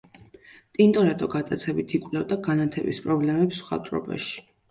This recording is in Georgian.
ტინტორეტო გატაცებით იკვლევდა განათების პრობლემებს მხატვრობაში.